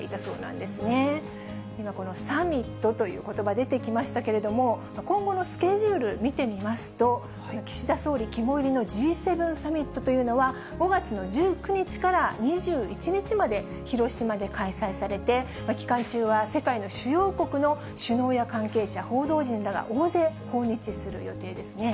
では、このサミットということば、出てきましたけれども、今後のスケジュール見てみますと、岸田総理肝煎りのＧ７サミットというのは、５月の１９日から２１日まで、広島で開催されて、期間中は世界の主要国の首脳や関係者、報道陣らが大勢訪日する予定ですね。